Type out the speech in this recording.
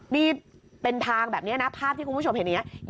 นี่เป็นทางแบบนี้นะภาพที่คุณผู้ชมเห็นนี้